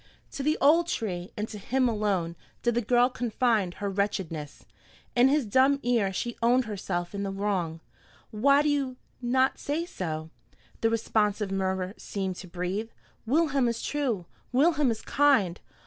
To the old tree, and to him alone, did the girl confide her wretchedness. In his dumb ear she owned herself in the wrong. "Why do you not say so?" the responsive murmur seemed to breathe. "Wilhelm is true! Wilhelm is kind!